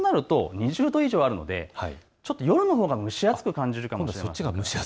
そうなると２０度以上あるので夜のほうが蒸し暑く感じるかもしれません。